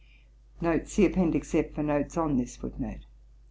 [Note: See Appendix F for notes on this footnote.